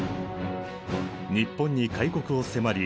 日本に開国を迫り